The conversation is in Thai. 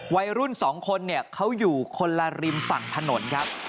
วัยรุ่น๒คนเขาอยู่คนละริมฝั่งถนนครับ